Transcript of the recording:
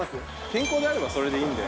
健康であればそれでいいんで。